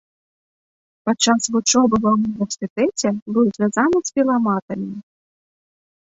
Падчас вучобы ва ўніверсітэце быў звязаны з філаматамі.